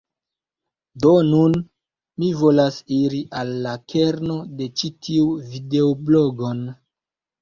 Do nun, mi volas iri al la kerno de ĉi tiu videoblogon.